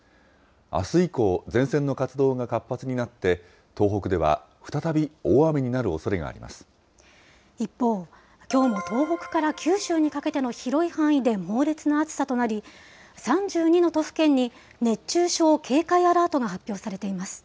あす以降、前線の活動が活発になって、東北では再び大雨になるおそれがあり一方、きょうも東北から九州にかけての広い範囲で猛烈な暑さとなり、３２の都府県に熱中症警戒アラートが発表されています。